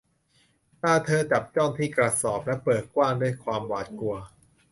ตาเธอจับจ้องที่กระสอบและเบิกกว้างด้วยความหวาดกลัว